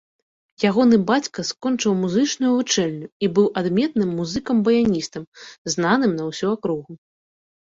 Ягоны бацька скончыў музычную вучэльню і быў адметным музыкам-баяністам, знаным на ўсю акругу.